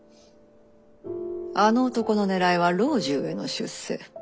あの男の狙いは老中への出世。